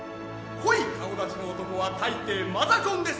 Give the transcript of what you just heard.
濃い顔立ちの男は大抵マザコンです。